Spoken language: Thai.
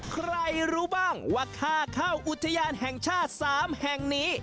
ใครรู้บ้างว่าค่าเข้าอุทยานแห่งชาติ๓แห่งนี้